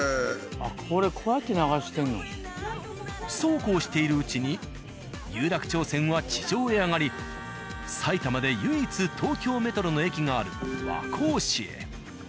あっこれそうこうしているうちに有楽町線は地上へ上がり埼玉で唯一東京メトロの駅がある和光市へ。